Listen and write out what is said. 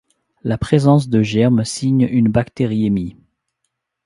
La présence de germes signe une bactériémie.